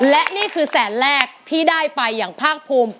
และนี่คือแสนแรกที่ได้ไปอย่างภาคภูมิ